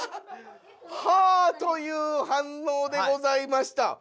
「はぁ」というはんのうでございました。